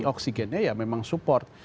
oksigennya ya memang support